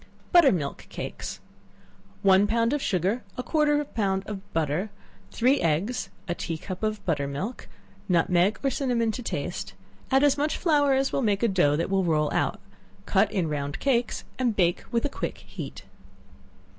Butter milk Cakes. One pound of sugar, a quarter of a pound of butter, three eggs, a tea cup of butter milk, nutmeg or cinnamon to taste; add as much flour as will make a dough that will roll out; cut in round cakes and bake with a quick heat.